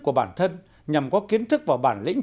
của bản thân nhằm có kiến thức và bản lĩnh